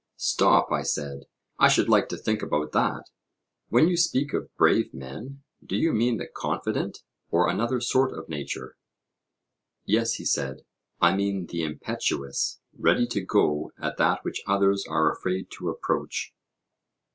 Stop, I said; I should like to think about that. When you speak of brave men, do you mean the confident, or another sort of nature? Yes, he said; I mean the impetuous, ready to go at that which others are afraid to approach.